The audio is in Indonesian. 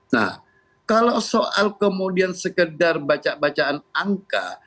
nah kalau soal kemudian sekedar baca bacaan angka